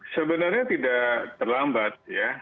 sebenarnya tidak terlambat ya